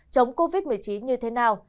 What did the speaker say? chống covid một mươi chín như thế nào